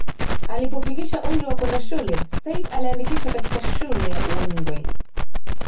Alipofikisha umri wa kwenda shule Seif aliandikishwa katika Shule ya Uondwe